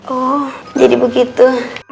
oh jadi begitu